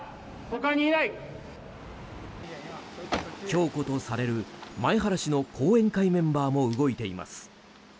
強固とされる前原氏の後援会メンバーも動いています。